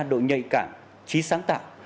độ nhạy cảm trí sáng tạo